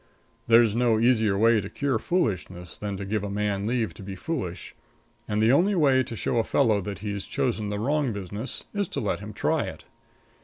There's no easier way to cure foolishness than to give a man leave to be foolish. And the only way to show a fellow that he's chosen the wrong business is to let him try it.